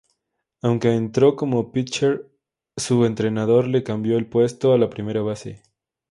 Aunque entró como "pitcher", su entrenador le cambió el puesto a la primera base.